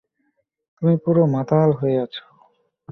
তুমি পুরো মাতাল হয়ে আছ।